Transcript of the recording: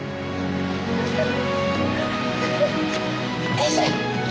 よいしょっ。